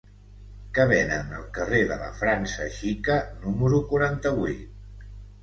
Què venen al carrer de la França Xica número quaranta-vuit?